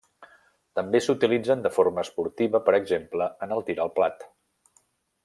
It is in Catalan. També s'utilitzen de forma esportiva per exemple en el tir al plat.